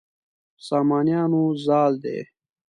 سامانیانو زال دی.